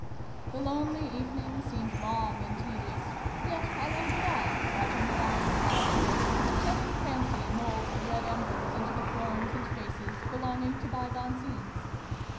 The lonely evening seemed long and tedious : yet I lingered on, watching the dying fire, and letting Fancy mould the red embers into the xx] GAMMON AND SPINACH. 311 forms and faces belonging to bygone scenes.